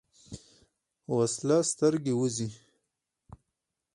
وسله سترګې وځي